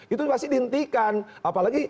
itu pasti dihentikan apalagi